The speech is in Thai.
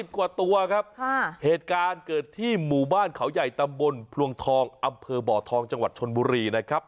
กว่าตัวครับเหตุการณ์เกิดที่หมู่บ้านเขาใหญ่ตำบลพลวงทองอำเภอบ่อทองจังหวัดชนบุรีนะครับ